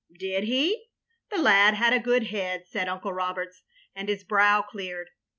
" "Did he? The lad had a good head," said Uncle Roberts, and his brow cleared.